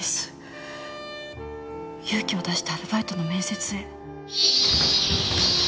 勇気を出してアルバイトの面接へ。